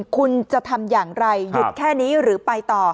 คุณจะทำอย่างไรหยุดแค่นี้หรือไปต่อ